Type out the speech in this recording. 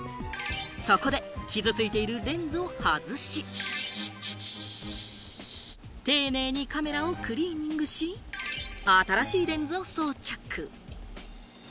そこで傷ついているレンズを外し、丁寧にカメラをクリーニングし、新しいレンズを装着。